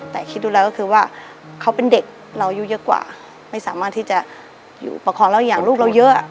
แต่คิดดูแล้วก็คือว่าเขาเป็นเด็กเราอายุเยอะกว่าไม่สามารถที่จะอยู่ประคองแล้วอย่างลูกเราเยอะ